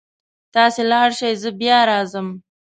تاسې لاړ شئ زه بیا راځمه